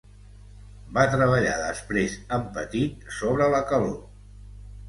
Va treballar després amb Petit sobre la calor.